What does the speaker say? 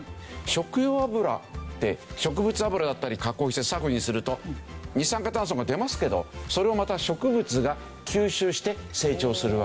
食用油って植物油だったり加工してＳＡＦにすると二酸化炭素が出ますけどそれをまた植物が吸収して成長するわけでしょ。